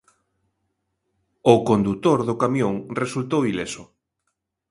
O condutor do camión resultou ileso.